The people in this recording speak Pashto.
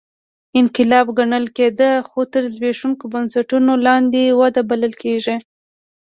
انقلاب ګڼل کېده خو تر زبېښونکو بنسټونو لاندې وده بلل کېږي